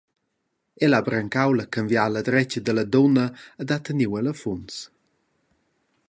El ha brancau la canviala dretga dalla dunna ed ha teniu ella afuns.